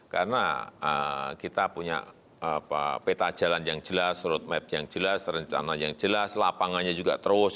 karena kita punya peta jalan yang jelas roadmap yang jelas rencana yang jelas lapangannya juga terus